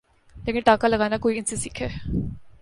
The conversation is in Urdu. لیکن ٹانکا لگانا کوئی ان سے سیکھے۔